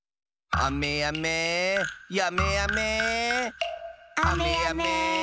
あめやめやめあめ。